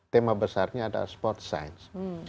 tema besarnya adalah sport science